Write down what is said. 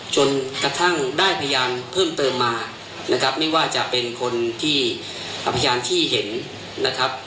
จนกระทั่งได้พยานเพิ่มเติมมานะครับไม่ว่าจะเป็นคนที่พยานที่เห็นนะครับ